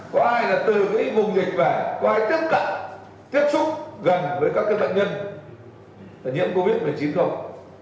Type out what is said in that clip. có ai là từ cái vùng dịch về có ai tiếp cận tiếp xúc gần với các bệnh nhân nhiễm covid một mươi chín không